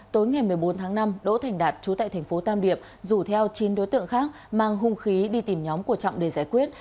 tối ngày một mươi bốn tháng năm đỗ thành đạt trú tại thành phố tam điệp rủ theo chín đối tượng khác mang hung khí đi tìm nhóm của trọng để giải quyết